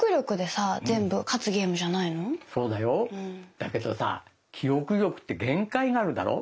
だけどさ記憶力って限界があるだろう？